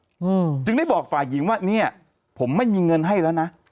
อืมจึงได้บอกฝ่ายหญิงว่าเนี้ยผมไม่มีเงินให้แล้วนะ